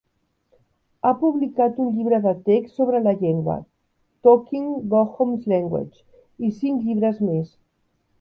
Ha publicat un llibre de text sobre la llengua: "Talking Gookom's Language" i cinc llibres més.